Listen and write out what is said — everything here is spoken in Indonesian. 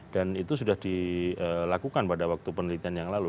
dan itu sudah dilakukan pada waktu penelitian yang lalu